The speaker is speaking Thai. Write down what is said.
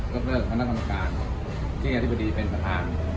ยกเลิกพนักคำนาคารที่ค้าภายในเป็นประธาน